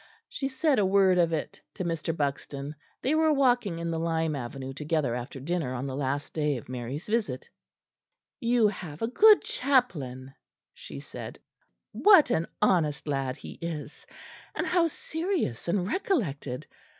She said a word of it to Mr. Buxton. They were walking in the lime avenue together after dinner on the last day of Mary's visit. "You have a good chaplain," she said; "what an honest lad he is! and how serious and recollected!